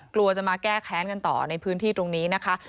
กลัวจะมาแก้แค้นกันต่อในพื้นที่ตรงนี้นะคะ